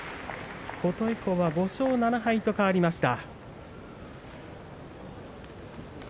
琴恵光は５勝７敗と変わりました。